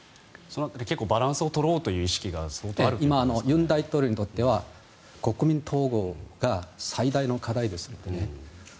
結構バランスを取ろうという意識が大統領にとっては国民統合が最大の課題ですね。